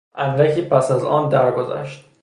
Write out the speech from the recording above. اندکی پس از آن درگذشت.